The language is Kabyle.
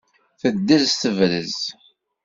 Teddez tebrez!